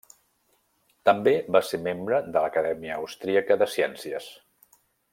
També va ser membre de l'Acadèmia austríaca de ciències.